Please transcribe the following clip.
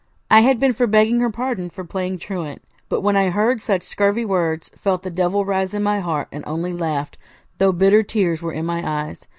I had been for begging her pardon for playing truant; but when I heard such scurvy words, felt the devil rise in my heart, and only laughed, though bitter tears were in my eyes.